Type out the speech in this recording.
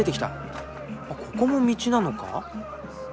ここも道なのか？